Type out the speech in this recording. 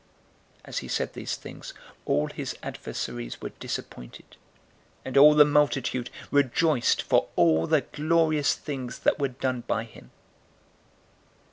013:017 As he said these things, all his adversaries were disappointed, and all the multitude rejoiced for all the glorious things that were done by him.